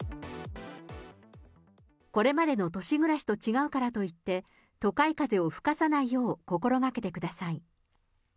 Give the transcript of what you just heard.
これまでの都市暮らしと違うからといって、都会風を吹かさないよう、心がけてください。